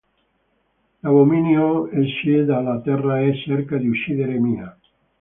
L'abominio esce dalla terra e cerca di uccidere Mia.